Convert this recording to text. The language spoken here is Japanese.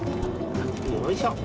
よいしょ。